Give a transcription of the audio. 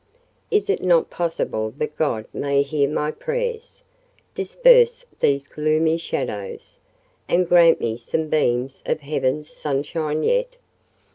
Is it not possible that God may hear my prayers, disperse these gloomy shadows, and grant me some beams of heaven's sunshine yet?